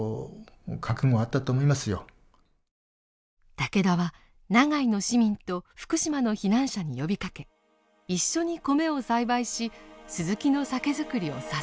竹田は長井の市民と福島の避難者に呼びかけ一緒に米を栽培し鈴木の酒造りを支えた。